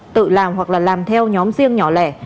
tự làm hoặc làm theo nhóm riêng nhỏ lẻ